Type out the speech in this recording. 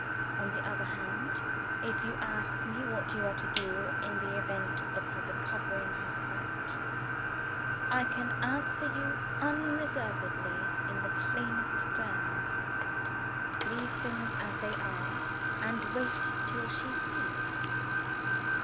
On the other hand, if you ask me what you are to do, in the event of her recovering her sight, I can answer you unreservedly in the plainest terms. Leave things as they are; and wait till she sees.'